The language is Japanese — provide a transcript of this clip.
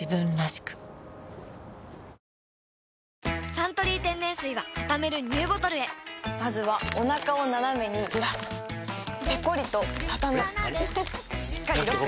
「サントリー天然水」はたためるＮＥＷボトルへまずはおなかをナナメにずらすペコリ！とたたむしっかりロック！